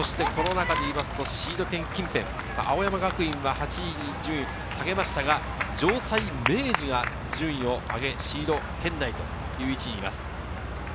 シード権近辺、青山学院は８位に順位を下げましたが城西、明治が順位を上げ、シード圏内という位置にいます。